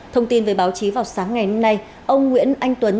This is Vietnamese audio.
thông tin về báo chí vào sáng ngày hôm nay ông nguyễn anh tuấn